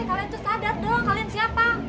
kalian terus sadar dong kalian siapa